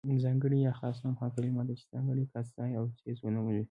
ځانګړی يا خاص نوم هغه کلمه ده چې ځانګړی کس، ځای او څیز ونوموي.